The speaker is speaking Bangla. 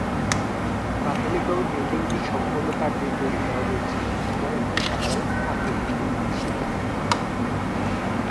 প্রাথমিকভাবে বিল্ডিংটি সম্পূর্ণ কাঠ দিয়ে তৈরী করা হয়ে ছিল এবং একটি সাধারণ আকৃতিতে ছিল।